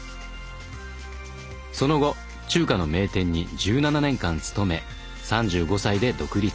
その後中華の名店に１７年間勤め３５歳で独立。